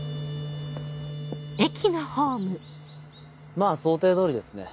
まぁ想定通りですね。